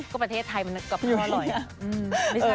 ก็ประเทศไทยมันก็อร่อย